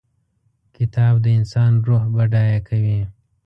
کتاب د انسان روح بډای کوي.